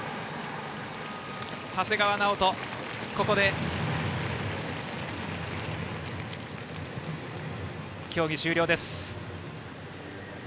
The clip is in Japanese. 長谷川直人、ここで競技終了です。